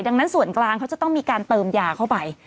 ดังนั้นส่วนกลางเขาจะต้องมีการเติมยาเข้าไป